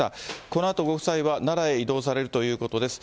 このあとご夫妻は奈良へ移動されるということです。